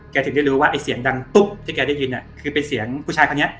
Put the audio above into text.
ถึงได้รู้ว่าไอ้เสียงดังตุ๊บที่แกได้ยินคือเป็นเสียงผู้ชายคนนี้